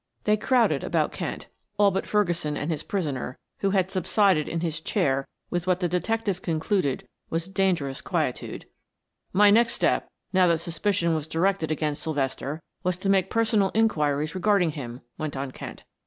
They crowded about Kent, all but Ferguson and his prisoner, who had subsided in his chair with what the detective concluded was dangerous quietude. "My next step, now that suspicion was directed against Sylvester, was to make personal inquiries regarding him," went on Kent.